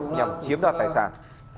nhằm chiếm đoạt tài sản